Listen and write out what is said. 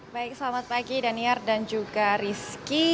baik selamat pagi daniar dan juga rizky